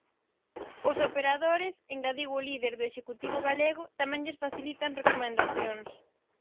Os operadores, engadiu o líder do Executivo galego, tamén lles facilitan "recomendacións".